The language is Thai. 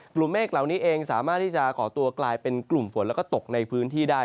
กลุ่มเมฆเหล่านี้เองสามารถที่จะก่อตัวกลายเป็นกลุ่มฝนแล้วก็ตกในพื้นที่ได้